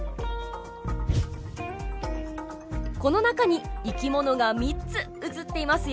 この中に生き物が３つ映っていますよ。